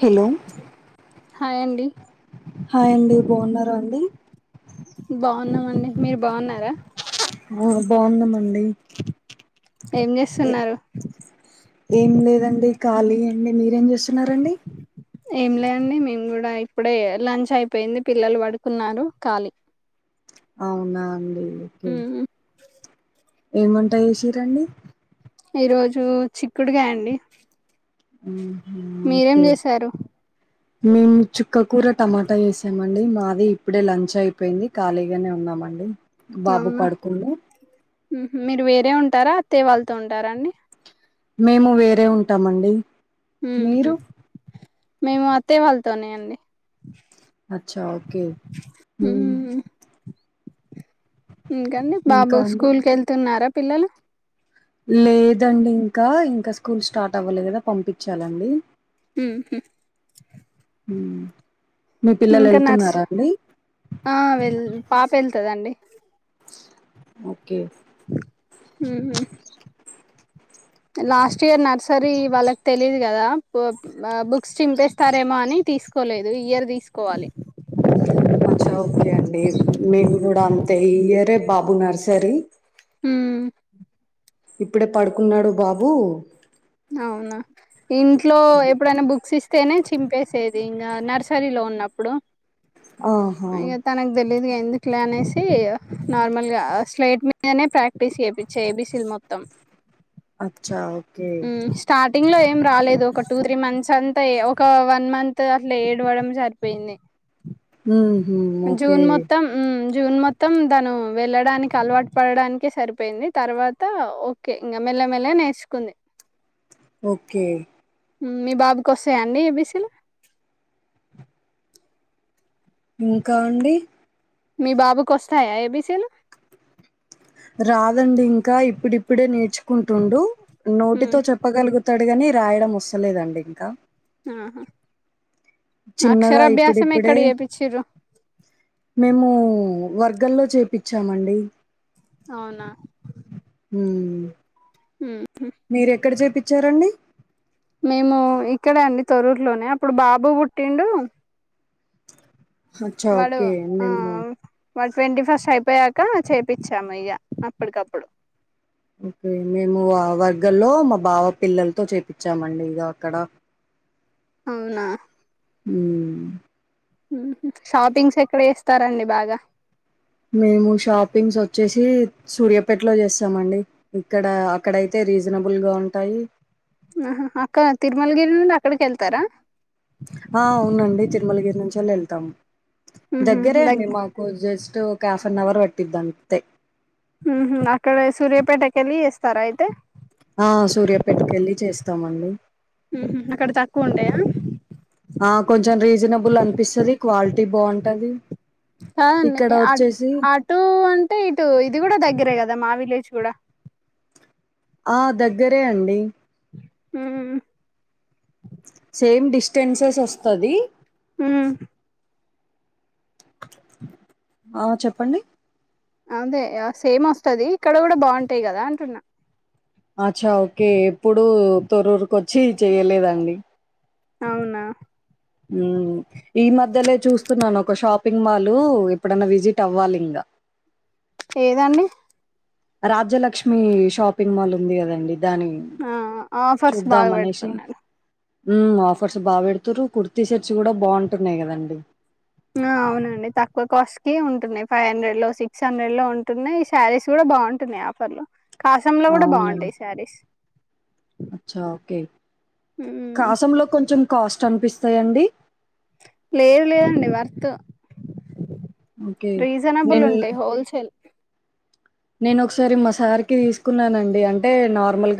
Hello హాయండి hi అండి బాగున్నారా అండి ఉన్నామండి మీరు బాగున్నారా బాగున్నమండి ఏం చేస్తున్నారు ఏం లేదండి ఖాళీ అండి మీరేం చేస్తున్నారండి ఏం లేండి మేము కూడా ఇప్పుడే లంచ్ అయిపోయింది పిల్లలు పడుకున్నారు ఖాాలీ [inaudible] అవునా అండి ఓకే మ్మ్. ఏమంటా చెసిరండి ఈ రోజు చిక్కుడుగాయ్ అండి మీరేం ఓకే చేశారు మేము చుక్క కూర టమాటా చేసామండి మాది ఇప్పుడే లంచ్ అయిపోయింది ఖాళీగానే ఉన్నామండి బాబు అవునా పడుకున్నాు మీరు వేరే ఉంటారా అత్తాయ్య వాళ్ళతూ ఉంటారా అండి మేము వేరే ఉంటామండి మీరు మ్మ్. మేము అత్తే వాళ్ళతోనే అండి అచ్చా ఓకే మ్మ్. ఇంకండి ఇంకా బాబు అండి స్కూల్ కి వెళ్తున్నారా పిల్లలు లేదండి ఇంకా ఇంకా స్కూల్ స్టార్ట్ అవ్వలేి కదా పంపించాలండి హ హ ఇంకా నర్స్ ఆ వె పాప వెళ్తుందండి ఓకే ఉహు [inaudible] లాస్ట్ ఇయర్ నర్సరీ వాళ్ళకి తెలీదు కదా బుక్స్ చింపేస్తారేమో అని తీసుకు తీసుకోలేదు ఈ ఇయర్ తీసుకోవాలి [inaudible] అచ్చా ఓకే అండి మేము కూడా అంతే ఈ ఇయరే బాబు నర్సరీ హ ఇప్పుడే పడుకున్నాడు బాబు అవునా ఇంట్లో ఎప్పుడైనా బుక్స్ ఇస్తేనే తింపేసేది ఇంక నర్సరలో ఉన్నప్పుడు ఆహా ఇక తనకు తెలిదుగా ఎందు క్లే అనేసి నార్మల్ గా స్లేట్ మీదనే ప్రాక్టీస్ చేయిచ్చ ఏబీసిల్ మొత్తం అచ్చా ఓకే స్టార్టింగ్ లో ఏం రాలేదు ఒక టూ త్రీ మంత్స్ అంతా ఒక వన్ మంత్ అట్ల ఏడవడం సరిపోయింది హ్మ్ హు ఓకే జూన్ మొత్తం జూన్ మొత్తం తను వెళ్ళడానికి అలవాటు పడడానికే సరిపోయింది తర్వాత ఓకే ఇంగ మల్ల మెల్ల గ నేర్చుకుంది ఓకే మీ బాబుకి వస్తాయండి అండి ఏబీసీలు ఇంకా అండి మీ బాబుకు వస్తాయా ఏబిసీలు రాదండి ఇంక ఇప్పుడిప్పుడే నేర్చు కుంటుండు హ్మ్. నోటితో చెప్పగలుగుతాడు గని రాయడం వస్తలేదండి ఇంకా ఆహా చిన్నగా అక్షరాభ్యాసం ఇప్పుడిప్పుడే ఎక్కడ చేపిచిరు మేము వర్గంలో చేపిచ్చామండి అవునా హ్మ్. మీరు ఎక్కడ చేపిచారండి మేము ఇక్కడే అండి తరూరులోనే అప్పుడు బాబు పుట్టిండు అచ్చా వాడు ఓకే ఆ మేము మ ట్వంటీ ఫస్ట్ అయిపోయాక చేపిచ్చాము ఇగ అప్పటికప్పుడు ఓకే మేము ఆ వర్గంలో మా బావ పిల్లలతో చేపించామండి ఇక అక్కడ అవునా ఊ షాపింగ్స్ ఎక్కడ చేస్తారండి బాగ మేము షాపింగ్స్ ఒచ్చేసి సూర్యాపేటలో చేస్తామండి ఇక్కడ అక్కడయితే రీజనబుల్ గా ఉంటాయి ఆ అక్కడ తిరుమలగిరి నుండి అక్కడికి వెళ్తార ఆ అవునండి తిరుమలగిరి నుంచి [unintelligible] వెళ్తాము ఉహు దగ్గరే అండి దగ్ మాకు జస్ట్ ఒక హాఫ్ అన్ అవర్ [unintelligible] హ అక్కడ సూర్యాపేటకెళ్ళి వేస్తార అయితే ఆ సూర్యాపెట్ కెళ్ళి చేస్తామండి ఉహు అక్కడ తక్కువ ఉంటాయా ఆ కొంచెం రీజనబుల్ అనిపిస్తది క్వాలిటీ బాగుంటది కాదండి ఇక్కడ అ వచ్చేసి అటు అంటే ఇటు ఇది కూడ దగ్గరే కదా మావి [unintelligible] ఆ దగ్గరే అండి ఊ సేమ్ డిస్టెన్సెస్ వస్తది ఉ ఆ చెప్పండి అదే సేమ్ వస్తది ఇక్కడ కూడా బాగుంటాయి కదా అంటున్నా అచ్చా ఓకే ఎప్పుడు [unintelligible] వచ్చి చెయ్యలేదాండి అవునా ఈ మధ్యలే చూస్తున్నాను ఒక షాపింగ్ మాల్ ఎప్పుడైన్నా విజిట్ అవ్వాలి ఇంగ ఏదండి రాజ్యలక్ష్మి షాపింగ్ మాల్ ఉంది కదండి దాని ఆ ఆఫర్స్ చూద్దాం బాగా అనేసి పెడుతున్నారు ఉమ్ ఆఫర్స్ బా పెడుతారు కుర్తీ షర్ట్స్ కూడా బాగుంటున్నాయి కదండి ఆ అవునండి తక్కువ కాస్ట్ కి ఉంటున్నాయి ఫైవ్ హండ్రెడ్ లో సిక్స్ హండ్రెడ్ లో ఉంటున్నాయి శారీస్ కూడా బాగుంటున్నాయి ఆఫర్ లో కాసం లో కూడా అవునండి బాగుంటాయి శారీస్ అచ్చా ఓకే కాసంలో కొంచెం కాస్ట్ అనిపిస్తాయండి లేదు లేదండి వర్త్ ఓకే రీజనబుల్ ఉంటాయి హోల్సేల్ నేను ఒకసారి మా సారికిి తీసుకున్నానండి అంటే నార్మల్గా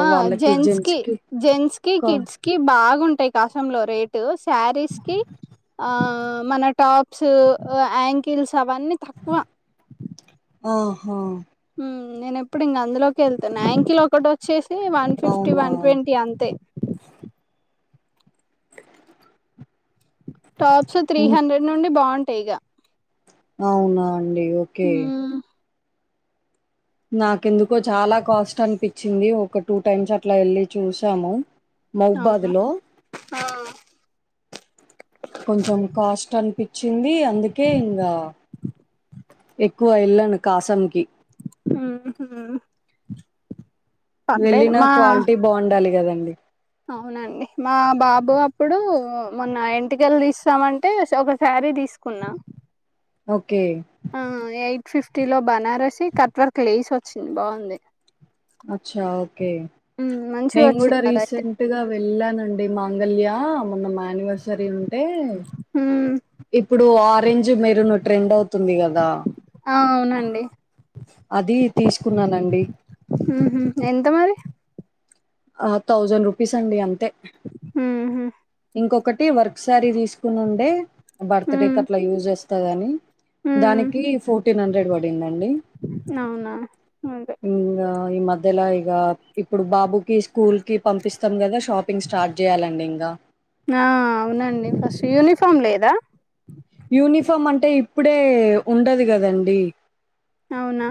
ఆ జెంట్స్ కి జెంట్స్ కి కా కిడ్స్ కి బాగుంటాయి కాసము లో రేటు శారీస్ కి ఆ ఆ మన టాప్స్ యాంకిల్స్ అవన్నీ తక్కువ ఆహా నేను ఎప్పుడు ఇంక అందులోకి వెళ్తాను అయాంకిలో ఒకటి వచ్చే వన్ ఫిఫ్టీ అవునా! వన్ ట్వంటీ అంతే టాప్స్ త్రీ హ్మ్. హండ్రెడ్ నుండి బాగుంటాయి ఇగ అవునా అండి ఓకే నాకెందుకో చాలా కాస్ట్ అనిపించింది ఒక టూ టైమ్స్ అట్లా వెళ్ళి చూసాము మైబాద్ లో ఆ కొంచెం కాస్ట్ అనిపించింది అందుకే ఇంకా ఎక్కువ వెల్ళను కాసాం కి ఆహ వెళ్ళిన క్వాలిటీ బాగుండాలి కదండి అవునండి మా బాబు అప్పుడు మొన్న ఇంటికెలు తీస్తామంటే ఒకసారి సారీ తీసుకున్నా ఓకే ఆ ఎయిట్ ఫిఫ్టీ లో బనారసీ కట్వర్క్ లేసి వచ్చింది బాగుంది అచ్చా ఓకే హ్మ్. మంచిగా నేను కూడా వచ్చింది అదైతే రీసెంట్ గా వెళ్ళానండి మాంగళ్య మొన్న మా అనివర్సరీ ఉంటే హ్మ్. ఇప్పుడు ఆరెంజ్ మెరును ట్రెండ్ అవుతుంది కదా ఆ! అవునండి అది తీసుకున్నానండి ఉహ ఎంత మరి ఆ థౌజండ్ రూపీస్ అండి అంతే అహా ఇంకొకటి వర్క్ సారీ తీసుకుని ఉండే బర్త్డే హ్మ్. కట్లా యూజ్ చేస్తాది అని హ్మ్. దానికి ఫోర్టీన్ హండ్రెడ్ పడింది అవునా అదే ఇంగా ఈ మధ్యలా ఇక ఇప్పుడు బాబుకిి స్కూల్ కి పంపిస్తాం కదా షాపింగ్ స్టార్ట్ చేయ్యాలండి ఇంకా ఆ అవునండి ఫస్ట్ యూనిఫామ్ లేదా యూనిఫామ్ అంటే ఇప్పుడే ఉండదు కదండి అవునా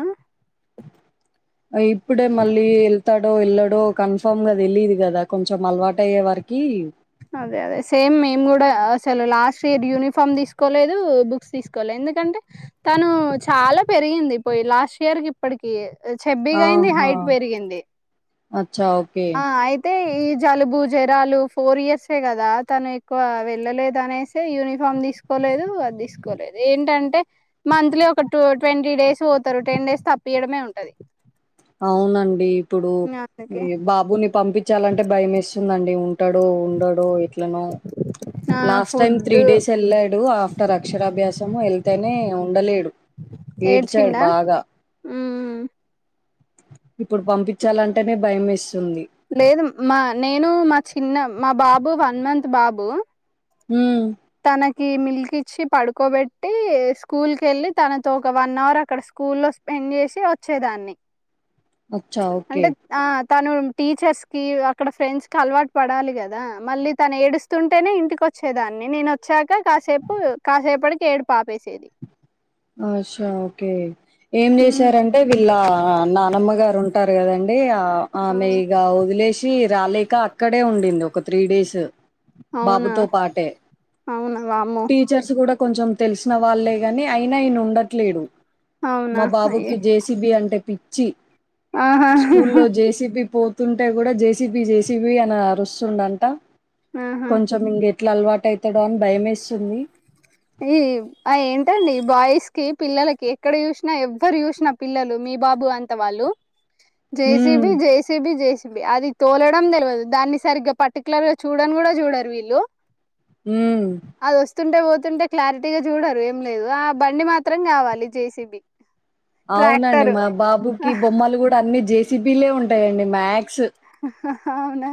ఇప్పుడే మళ్ళీ వెళ్తాడో వెళ్ళాడో కన్ఫామ్ గా తెలీదు కదా కొంచెం అలవాటు అయ్యే వరకి అదే అదే సేమ్ మేము కూడా అసలు లాస్ట్ ఇయర్ యూనిఫామ్ తీసుకోలేదు బుక్స్ తీసుకోలే ఎందుకంటే తను చాలా పెరిగింది పోయి లాస్ట్ ఇయర్ కి ఇప్పటికి చెబ్బీగా అయింది ఆహా! హైట్ పెరిగింది అచ్చా! ఓకే. ఆ అయితే ఈ జలుబు జరాలు ఫోర్ ఇయర్సే కదా తను ఎక్కువ వెళ్ళలేదు అనేసి యూనిఫామ్ తీసి తీసుకో లేదు అది తీసుకోలేదు ఏంటంటే మంత్లీ ఒక టూ ట్వంటీ డేస్ పోతారు టెన్ డేస్ తప్పీయడమే ఉంటది అవునండి ఇప్పుడు అందుకే ఈ బాబుని పంపించాలంటే భయం వేస్తుందండి ఉమ్ ఉంటాడో ఉండడో ఎట్లనో ఆ last food time three days వెళ్ళాడు ఆఫ్టర్ అక్షరాభ్యాసం వెళ్తేనే ఉండలేడు ఏడ్చాడు ఏడ్చిండా బాగా మ్మ్ ఇప్పుడు పంపించాలంటేనే భయం వేస్తు లేదు మా నేను మా చిన్న మా బాబు వన్ మంత్ బాబు హ్మ్. తనకి ఈ మిల్క్ ఇచ్చి పడుకోబెట్టి స్కూల్ కి వెళ్ళి తనతో ఒక వన్ అవర్ అక్కడ స్కూల్ లో స్పెండ్ స్పెండ్ చేసి వచ్చేదాన్ని అచ్చా ఓకే అంటే ఆ! తను టీచర్స్ కి అక్కడ ఫ్రెండ్స్ కి అలవాటు పడాలి కదా మళ్ళీ తను ఏడుస్తుంటేనే ఇంటికి వచ్చేదాన్ని నేను వచ్చాక కాసేపు కాసేపటికి ఏడు ఆపేసేది అచ్చా ఓకే ఏం హ్మ్. చేసారంటే వీళ్ళ నానమ్మగారు ఉంటారు కదండి ఆ! ఆమె ఇగా వదిలేసి రాలేక అక్కడే ఉండేది ఒక త్రీ డేస్ అవునా? బాబుతో పాటే అవునా? వామ్మో! టీచర్స్ కూడా కొంచెం తెలిసిన వాళ్లే గాని అయినా ఈయన ఉండట్లేడు అవునా? మా అయ్యో! బాబుకి జేసీబీ అంటే పిచ్చి ఆహా! స్కూల్లో జేసీబి పోత్ పోతుంటే కూడా జేసిపి జేసిపి అని అరుస్తుండంట ఆహా! కొంచెం ఇంగ ఎట్లా అలవాటు అవుతాడో అని భయం వేస్తుంది ఈ ఆ ఏంటండి బాయ్స్ కి పిల్లలకి ఎక్కడ చూసినా ఎవ్వరు చూసినా పిల్లలు మీ ఈ బాబు అంత వాళ్ళు హ్మ్. జెసిబి జెసిబి జెసిబి అది తోలడం తెల్వదు దాన్ని సరిగ్గా పర్టిక్యులర్ గా చూడన్ కూడా చూడరు వీళ్ళు హ్మ్. అది వస్తుంటే పోతుంటే క్లారిటీగా చూడరు ఏం లేదు ఆ బండి మాత్రం కావాలి జేసీబి అవునండి మా బాబుకి బొమ్మలు కూడా అన్ని జేసీపిలే ఉంటాయండి మ్యాక్స్ హా హా అవునా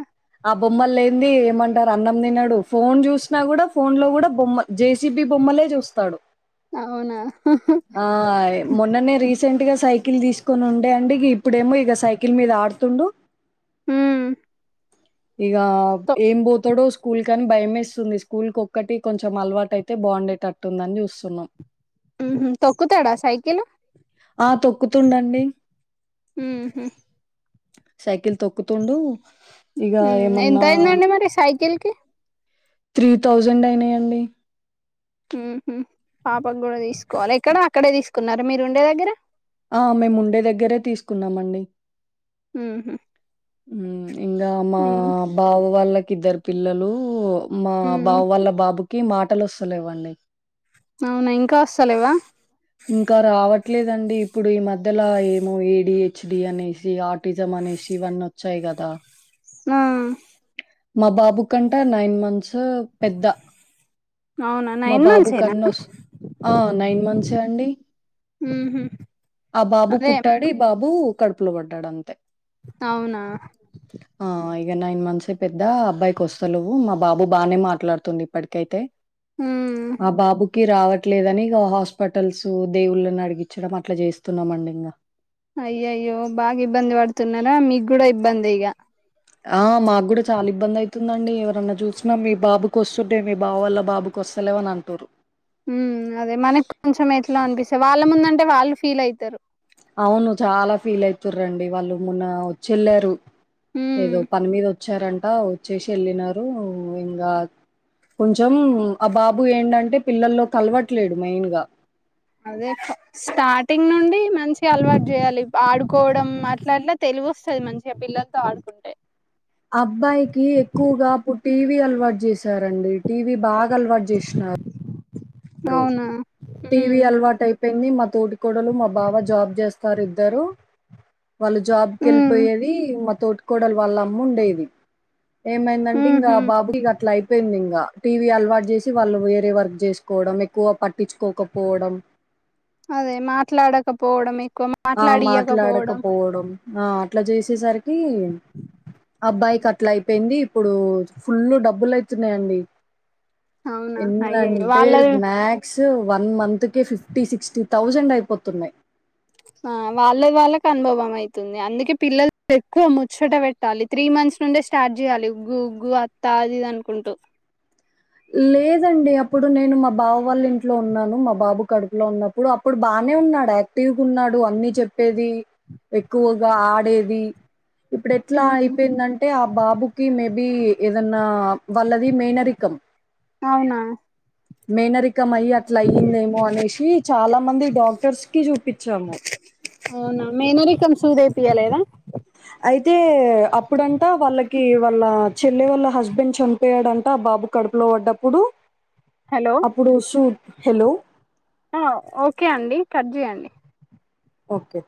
ఆ బొమ్మలు లేంది ఏమంటారు అన్నం తినడు ఫోన్ చూసినా కూడా ఫోన్ లో కూడా బొమ్మ జేసీబీ బొమ్మ బొమ్మలే చూస్తాడు అవునా ఆయ్ మొన్ననే రీస్ రీసెంట్ గా సైకిల్ తీసుకొని ఉండే అండి ఇప్పుడేమో ఇక సైకిల్ మీద ఆడుతుండు [inaudible] ఇక తొ ఏం పోతాడో స్కూ స్కూల్ కని భయమేస్తుంది స్కూల్ ఒక్కటి కొంచెం అలవాటు అయితే బాగుండేటట్టుందని చూస్తున్నాం హ్మ్ హు తొక్కుతాడా సైకిల్ ఆ తొక్కుతుండండి ఉహు సైకిల్ తొక్కుతుండు ఇగ ఉమ్ ఎంత ఏమన్నా అయిందండి మరి సైకిల్ కి త్రీ థౌజండ్ అయినాయి అండి హ్మ్ హు పాపకు కూడా తీసుకోవాల ఎక్కడ అక్కడే తీసుకున్నారు మీరు ఉండే దగ్గర ఆ మేముండే దగ్గరే తీసుకున్నామండి ఊ హుమ్ మ్ ఇంగ మా బావ వాళ్ళకి ఇద్దరు పిల్లలు మా ఉమ్ బావ వాళ్ళ బాబుకి మాటలస్తలేవన్నీ అవునా ఇంకాస్తలేవా ఇంకా రావట్లేదండి ఇప్పుడు ఈ మధ్యలో ఏమో ఏడీ హెచ్డీ అనేసి ఆర్టిజం అ నేషి ఇవన్నోచ్చయ్ కదా నా మా బాబు కంట నైన్ మంత్స్ త్ పెద్ద అవునా మా నైన్ బాబు మంత్స్ ఏనా కన్నా ఓస్ ఆ నైన్ మంత్స్ తే అండి ఉహు ఆ బాబు అదే పుట్టాడు ఇ బాబు కడుపులో పడ్ టడంతె అవునా ఇగ నైన్ మంత్స్ పెద్ద అబ్బాయికి వస్తలేవు మా బాబు బాగానే మాట్లాడుతుంది ఇప్పటికైతే ఉమ్ ఆ బాబుకి రావట్లేదని ఇగ హాస్ప్ పటల్సు దేవుళ్ళని అడిగించడం అట్లా చేస్తున్నామ అండి ఇంగ అయ్యాయో బాగా ఇబ్బంది పడుతున్నారా మీకు కూడా ఇబ్బంది ఇగ ఆ మాక్ కూడా చాలా ఇబ్బందైతుందండి ఎవరన్నా చూసినా మీ బాబుకు ఒస్తున్నాయ్ మీ బావ వాళ్ళ బాబుక్ ఒస్తలేవ్ అన్ అంటురు మ్ అదే మనక్ కొంచం ఎట్లా అనిపిస్తా వాళ్ళ ముందుంటే వాళ్ళు ఫీల్ అయితరు అవును చాలా ఫీల్ అయితురండి వాళ్ళు మొన్న వచ్చేళ్ళారు ఉమ్ ఏదో పని మీద ఒ ఒచ్చారంట ఒచ్చేసి ఎళ్ళినారు ఇంగా కొంచం ఆ బాబు ఏంటంటే పిల్లల్లో కలవట్లేడు మెయిన్గ అదే ఫ స్టార్టింగ్ నుండి మంచి అలవాట్ చేయాలి ఆడు కోవడం అట్లా అట్లా తెల్వొస్తాది మంచిగా పిల్లలతో ఆడుకుంటే అబ్బాయికి ఎక్కువగా ప్పుడ్ టీవీ అలవాటు చేసారండి టీవీ బాగా అలవాట్ చేష్న అ అవునా టీవీ ఉమ్ అల్వాటయిపోయింది మా తోటి కోడలు మా బావ జాబ్ చేస్తారు ఇద్దరు వాళ్ళు జాబ్ ఉమ్ కేళ్ళిపోయేది మా తోటి కోడలు వాళ్ళ అమ్ముండేది ఏమైందంటే ఇంగ ఉహు అ బాబుకి అట్లా అయి పెందింగ టీవీ అలవాట్ చేసి వాళ్ళు వేరే వర్క్ చేసుకోవడం ఎక్కువ పట్టించ్ కోకపోవడం అదే మాట్లాడకపోవడమే ఆ మాట్లాడకపోవడం ఆ అట్లా చేసేసరికి అబ్బాయికి అట్లా అయిపోయింది ఇప్పుడు ఫుల్లు డబ్బులు అయితున్నాయండి అవునా అయ్యయ్యో ఎన్నంటే వాళ్ళ మ్యాక్స్ వన్ మంత్క్ కే ఫిఫ్టీ సిక్స్టీ థౌజండ్ అయిపోతున్నాయ్ ఆ వాళ్ళ వాళ్ళక్ అనుభవం అయితుంది అందుకే పిల్లలు ఎక్కువ ముచ్చట పెట్టాలి త్రీ మంత్స్ ను నుండే స్టార్ట్ చేయాలి ఉగ్గు ఉగ్గు అత్తా అది ఇది అనుకుంటూ లేదండి అప్పుడు నేను మా బావ వాళ్ళ ఇంట్లో ఉన్నాను మా బాబు కడుపులో ఉన్నప్పుడు అప్పుడు బానే నే ఉన్నాడ్ యాక్టివ్ ఉన్నాడు అన్ని చెప్ పేది ఎక్కువగా ఆడేది ఇప్పుడు ఎట్లా ఉమ్ అయిపోయిందంటే ఆ బాబు కి మేబి ఏదన్నా వల్లది మేనరికం అవునా మేనరి క్కమయి అట్ల అయిందేమో అనేసి చాలా మంది డాక్టర్స్ కి చూపించాము అవునా మేనరికం తీయలేదా అయితే అప్పుడంతా వాళ్ళక్ కి వాళ్ళ చెల్లె వాళ్ళ హస్బెండ్ చనిపోయాడంట ఆ బాబు కడుపులో పడ్డప్పుడు హలో అప్పుడు సూ హలో ఆ ఓకే అండి కట్ చేయండి ఓకే